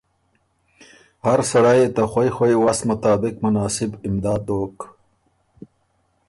هر سړئ يې ته خوئ خوئ وست مطابق مناسب امداد دوک۔